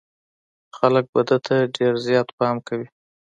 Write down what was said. خلک به ده ته ډېر زيات پام کوي.